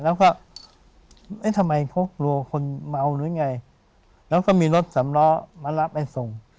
แล้วก็เอ๊ะทำไมเขากลัวคนเมาหรือไงแล้วก็มีรถสำล้อมารับไอ้ส่ง